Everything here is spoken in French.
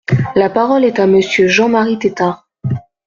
La parole est à Monsieur Jean-Marie Tetart.